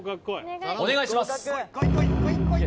お願いします